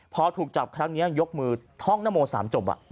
พอถูกจับครั้งนี้ยกมือท่องนโม๓จบ